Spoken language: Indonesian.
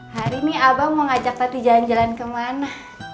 hari ini abang mau ngajak tati jalan jalan kemana